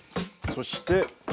そして。